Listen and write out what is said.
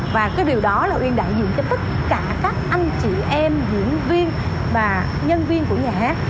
và cái điều đó là uyên đại diện cho tất cả các anh chị em diễn viên và nhân viên của nhà hát